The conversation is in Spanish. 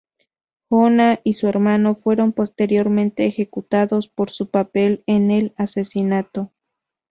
Oona y su hermano fueron posteriormente ejecutados por su papel en el asesinato.